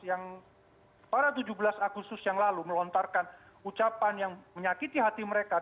yang pada tujuh belas agustus yang lalu melontarkan ucapan yang menyakiti hati mereka